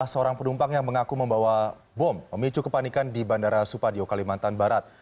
seorang penumpang yang mengaku membawa bom memicu kepanikan di bandara supadio kalimantan barat